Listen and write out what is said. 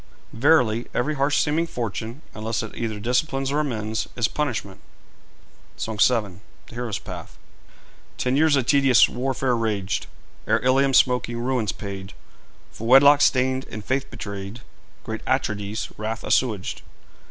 Verily, every harsh seeming fortune, unless it either disciplines or amends, is punishment.' SONG VII. THE HERO'S PATH. Ten years a tedious warfare raged, Ere Ilium's smoking ruins paid For wedlock stained and faith betrayed, And great Atrides' wrath assuaged.